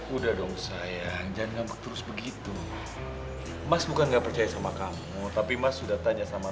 udah dong sayang jangan ngambek terus begitu mas bukan nggak percaya sama kamu tapi mas sudah tanya sama